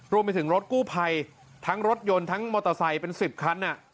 รวมไปถึงรถกู้ภัยทั้งรถยนต์ทั้งมอเตอร์ไซค์เป็น๑๐คัน